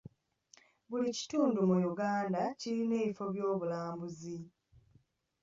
Buli kitundu mu Uganda kirina ebifo ky'obulambuzi.